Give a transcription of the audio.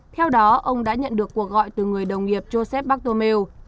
theo đó ông đã nhận được cuộc gọi từ người đồng nghiệp josep bartome